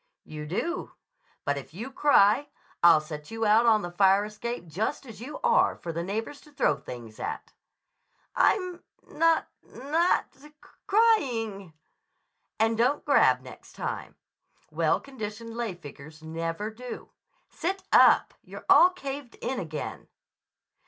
"You do. But if you cry I'll set you out on the fire escape just as you are, for the neighbors to throw things at." "I'm n n n not c c crying." "And don't grab, next time. Well conditioned lay figures never do. Sit up! You're all caved in again."